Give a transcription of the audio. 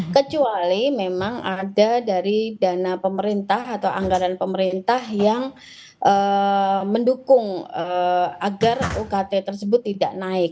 kecuali memang ada dari dana pemerintah atau anggaran pemerintah yang mendukung agar ukt tersebut tidak naik